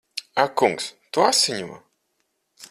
Ak kungs! Tu asiņo!